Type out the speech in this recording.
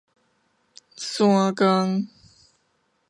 山巖